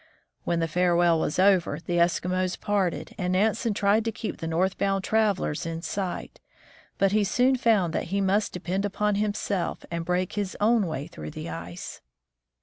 When the farewell was over, the Eskimos parted, and Nansen tried to keep the north bound travelers in sight, but he soon found that he must depend upon himself and break his own way through the ice.